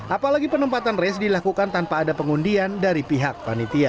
apalagi penempatan race dilakukan tanpa ada pengundian dari pihak panitia